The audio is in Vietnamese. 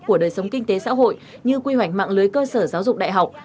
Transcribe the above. của đời sống kinh tế xã hội như quy hoạch mạng lưới cơ sở giáo dục đại học